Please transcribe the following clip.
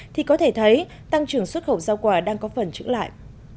thì có thể thấy tăng trưởng xuất khẩu rau quả đang có phần chữ lại